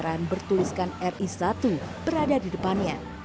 ketika dia menemukan kendaraan bertuliskan ri satu berada di depannya